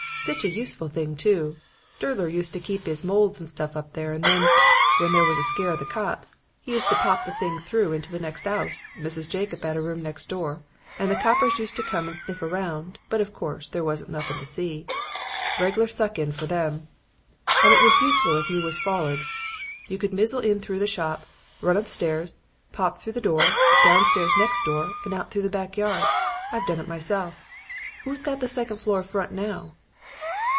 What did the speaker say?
'Sich a useful thing, too. Durdler used to keep 'is molds and stuff up there, and then, when there was a scare of the cops, he used to pop the thing through into the next 'ouse Mrs. Jacob 'ad the room next door and the coppers used to come and sniff round, but of course there wasn't nothin' to see. Regler suck in for them. And it was useful if you was follered. You could mizzle in through the shop, run upstairs, pop through the door, downstairs next door and out through the back yard. I've done it myself. 'Oo's got the second floor front now?'